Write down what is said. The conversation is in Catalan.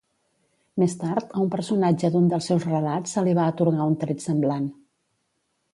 Més tard, a un personatge d'un dels reus relats se li va atorgar un tret semblant.